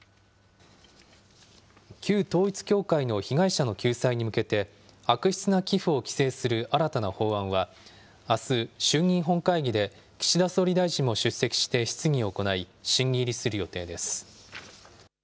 旧統一教会の被害者の救済に向けて、悪質な寄付を規制する新たな法案は、あす、衆議院本会議で岸田総理大臣も出席して質疑を行い、審議入りする予定です。